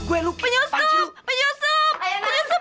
penyusup penyusup penyusup ada penyusup